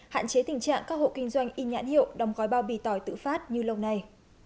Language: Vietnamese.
hạn chế tình trạng các hộ kinh doanh in nhãn hiệu đong gói bao bì tỏi tự phát như lâu nay